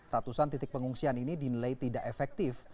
ratusan titik pengungsian ini dinilai tidak efektif